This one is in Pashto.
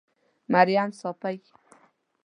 مريم صافۍ